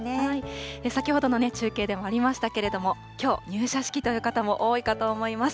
先ほどの中継でもありましたけれども、きょう、入社式という方も多いかと思います。